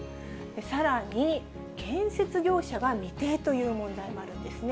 さらに、建設業者が未定という問題もあるんですね。